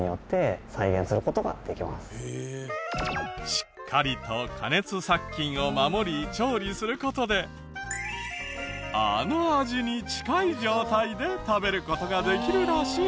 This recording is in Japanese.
しっかりと加熱殺菌を守り調理する事であの味に近い状態で食べる事ができるらしい。